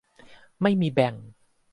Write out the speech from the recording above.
ไม่มีแบ่ง